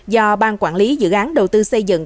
do bang quản lý dự án đầu tư xây dựng